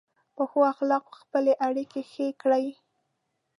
په ښو اخلاقو خپلې اړیکې ښې کړئ.